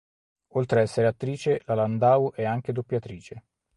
Oltre a essere attrice la Landau è anche doppiatrice.